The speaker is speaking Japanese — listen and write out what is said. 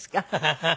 ハハハハ。